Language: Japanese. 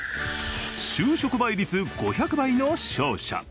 就職倍率５００倍の商社。